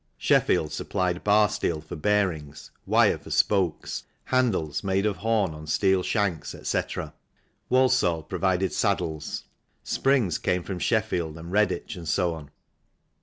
Sheffield supplied bar steel for bearings, wire for spokes, handles, made of horn on steel shanks, etc. Walsall provided saddles. Springs came from Sheffield and Redditch, and so on.